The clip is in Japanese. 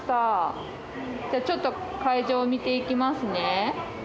じゃあちょっと会場を見ていきますね。